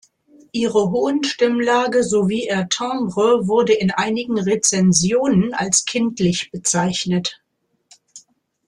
Ihre hohen Stimmlage sowie ihr Timbre wurde in einigen Rezensionen als „kindlich“ bezeichnet.